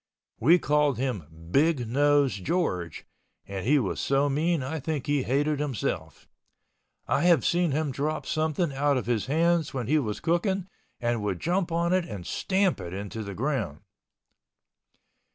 We called him "Big Nose George" and he was so mean I think he hated himself. I have seen him drop something out of his hands when he was cooking and would jump on it and stamp it in the ground.